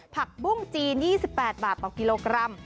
ผักบุ้งจีน๒๘บาทต่อกิโลกรัม